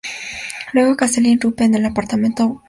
Luego, Castel irrumpe en el apartamento, pero Bourne lo derrota.